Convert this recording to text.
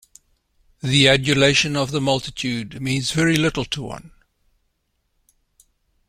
The adulation of the multitude means very little to one.